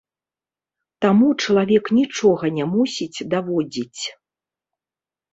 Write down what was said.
Таму чалавек нічога не мусіць даводзіць.